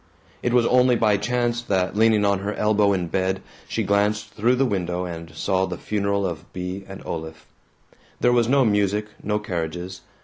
It was only by chance that, leaning on her elbow in bed, she glanced through the window and saw the funeral of Bea and Olaf. There was no music, no carriages.